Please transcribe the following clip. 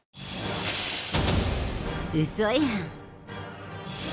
うそやん？